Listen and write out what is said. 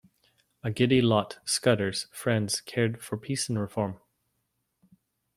A giddy lot Scudder’s friends cared for peace and reform.